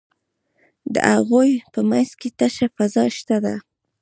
د هغوی په منځ کې تشه فضا شته ده.